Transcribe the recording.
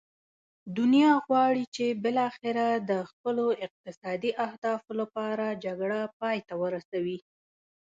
دنیا غواړي چې بالاخره د خپلو اقتصادي اهدافو لپاره جګړه پای ته ورسوي.